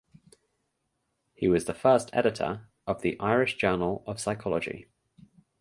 He was the first Editor of the "Irish Journal of Psychology".